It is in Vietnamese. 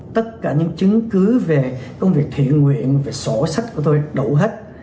tất cả những chứng cứ về công việc thiện nguyện về sổ sách của tôi đậu hết